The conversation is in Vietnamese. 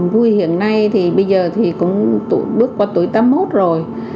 vui hiện nay thì bây giờ thì cũng bước qua tuổi tám mươi một rồi